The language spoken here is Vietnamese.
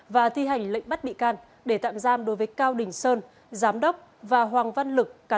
và thi hành lệnh bắt bị can để tạm giam đối với cao đình sơn giám đốc và hoàng văn lực